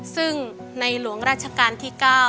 ซึ่งในหลวงราชการที่๙